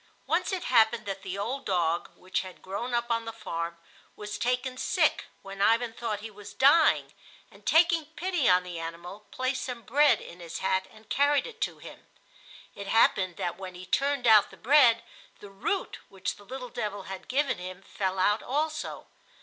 Once it happened that the old dog, which had grown up on the farm, was taken sick, when Ivan thought he was dying, and, taking pity on the animal, placed some bread in his hat and carried it to him. It happened that when he turned out the bread the root which the little devil had given him fell out also.